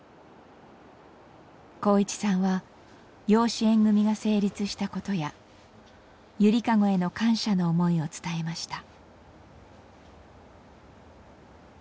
航一さんは養子縁組が成立したことやゆりかごへの感謝の思いを伝えました。